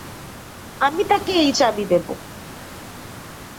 আমি তাকে এই চাবি দেব!